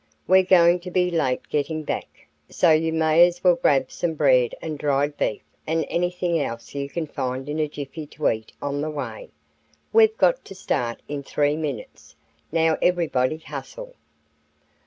We're going to be late getting back, so you may as well grab some bread and dried beef and anything else you can find in a jiffy to eat on the way. We've got to start in three minutes. Now everybody hustle.